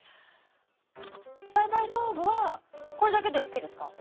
栽培道具はこれだけでＯＫですか？